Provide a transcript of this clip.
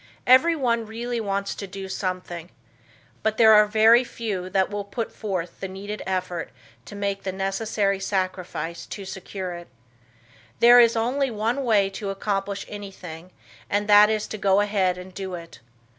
Everyone really wants to do something, but there are few that will put forward the needed effort to make the necessary sacrifice to secure it. There is only one way to accomplish anything and that is to go ahead and do it.